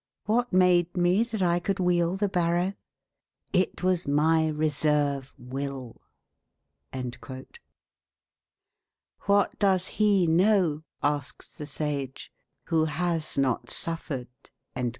What made me that I could wheel the barrow? It was my reserve will." "What does he know," asks the sage, "who has not suffered?"